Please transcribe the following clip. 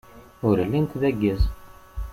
Ur llint d aggaz.